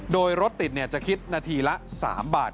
โดยรถติดจะคิดนาทีละ๓บาท